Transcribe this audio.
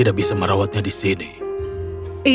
itu sebuah pertanyaan paling su tribe